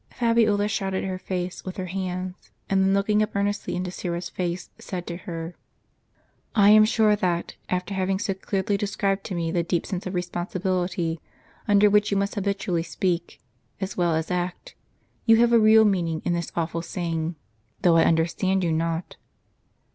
Fabiola shrouded her face Avith her hands, and then look ing up earnestly into Syra's face, said to her: " I am sure that, after having so clearly described to me the deep sense of responsibility under which you must habit ually speak, as well as act, you have a real meaning in this awful saying, though I understand you not."